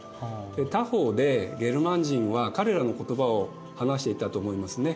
他方でゲルマン人は彼らの言葉を話していたと思いますね。